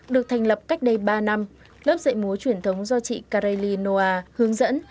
được thành lập cách đây ba năm lớp dạy múa truyền thống do chị kareli noah hướng dẫn